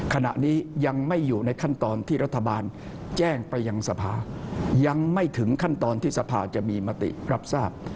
ขณะนี้ยังไม่อยู่ในขั้นตอนที่รัฐบาลแจ้งไปยังสภายังไม่ถึงขั้นตอนที่สภาจะมีมติรับทราบ